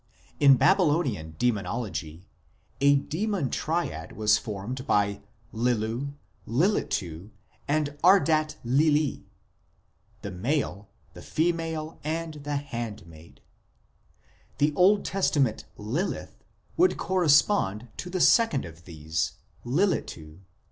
In Babylonian Demonology a demon triad was formed by Lilu, Lilitu, and Ardat Lili ; the male, the female, and the hand maid ; the Old Testament Lilith would correspond to the second of these, Lilitu.